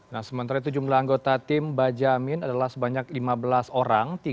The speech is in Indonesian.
nah sementara itu jumlah anggota tim bajamin adalah sebanyak lima belas orang